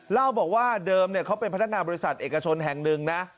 เล่าบอกว่าเดิมเขาเป็นพนักงานบริษัทเอกชนแห่งหนึ่งนะ